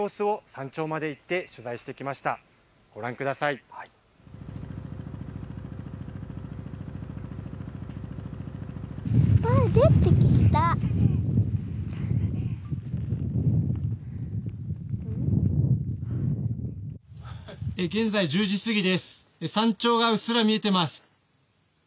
山頂がうっすら見えています。